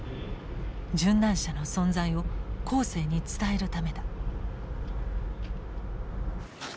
殉難者の存在を後世に伝えるためだ。